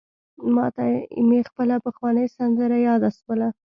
ماته مي خپله پخوانۍ سندره یاده سوله: